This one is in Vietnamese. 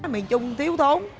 miền trung thiếu thốn